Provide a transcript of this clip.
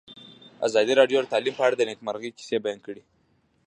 ازادي راډیو د تعلیم په اړه د نېکمرغۍ کیسې بیان کړې.